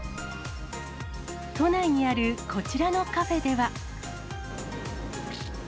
都内にあるこちらのカフェでは。